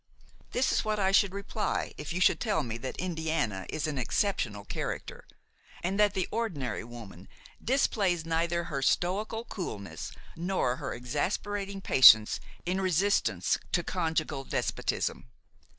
This is what I should reply if you should tell me that Indiana is an exceptional character, and that the ordinary woman displays neither her stoical coolness nor her exasperating patience in resistance to conjugal despotism.